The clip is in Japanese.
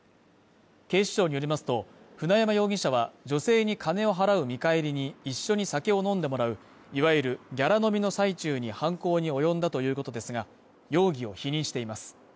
警視庁によりますと、舟山容疑者は女性に金を払う見返りに、一緒に酒を飲んでもらう、いわゆるギャラ飲みの最中に犯行に及んだということですが、容疑を否認しています。